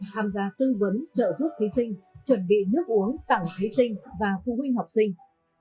tham gia tư vấn trợ giúp thí sinh chuẩn bị nước uống tặng thí sinh và phụ huynh học sinh